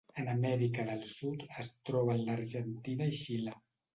En Amèrica del Sud es troba en l'Argentina i Xile.